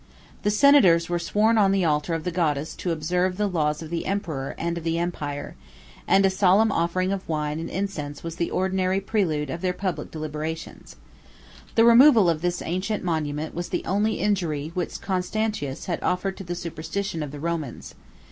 8 The senators were sworn on the altar of the goddess to observe the laws of the emperor and of the empire: and a solemn offering of wine and incense was the ordinary prelude of their public deliberations. 9 The removal of this ancient monument was the only injury which Constantius had offered to the superstition of the Romans.